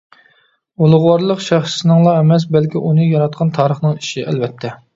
ئۇلۇغۋارلىق شەخسنىڭلا ئەمەس، بەلكى ئۇنى ياراتقان تارىخنىڭ ئىشى، ئەلۋەتتە.